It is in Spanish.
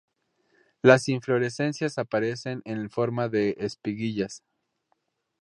Las inflorescencias aparecerán en forma de espiguillas.